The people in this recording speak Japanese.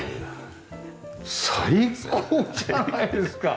最高じゃないですか。